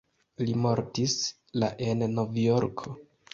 Li mortis la en Novjorko.